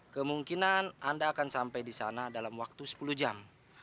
kemungkinan anda akan sampai disana dalam waktu sepuluh jam